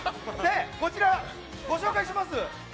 こちらご紹介します。